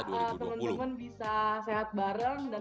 semoga teman teman bisa sehat bareng